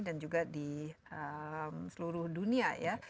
dan juga di seluruh dunia